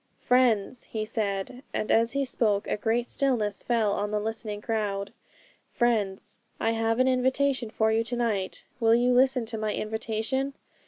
'Friends,' he said and as he spoke a great stillness fell on the listening crowd 'Friends, I have an invitation for you to night; will you listen to my invitation?